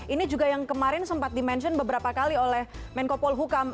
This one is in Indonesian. ini juga yang kemarin sempat dimention beberapa kali oleh menko polhukam